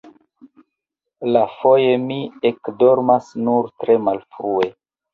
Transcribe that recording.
Iafoje mi ekdormas nur tre malfrue.